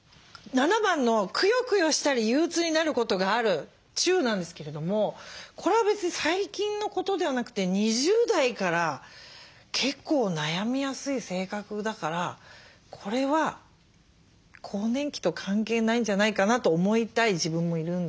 ７番の「くよくよしたり憂うつになることがある」「中」なんですけれどもこれは別に最近のことではなくて２０代から結構悩みやすい性格だからこれは更年期と関係ないんじゃないかなと思いたい自分もいるんです。